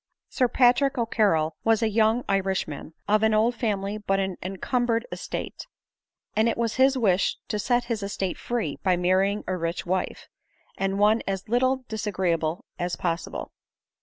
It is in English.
Sir Patrick O'Carrol was a young Irishman, of an old family but an encumbered estate ; and it was his wish to . set his estate free by marrying a rich wife, and one as little disagreeably as possible.